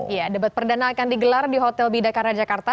ya debat perdana akan digelar di hotel bidakara jakarta